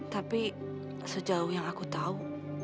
tapi sejauh yang aku tahu